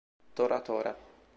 Tora Tora